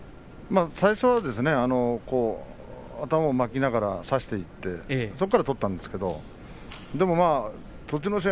最初は頭を巻きながら差していってそこから取ったんですがでも栃ノ心